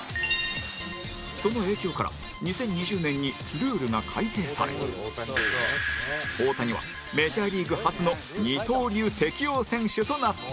その影響から２０２０年にルールが改定され大谷はメジャーリーグ初の二刀流適用選手となった